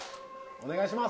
お願いします